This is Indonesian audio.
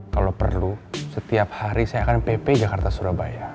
kalau perlu setiap hari saya akan pp jakarta surabaya